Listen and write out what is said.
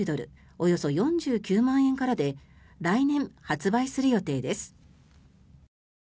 およそ４９万円からで来年発売する予定です。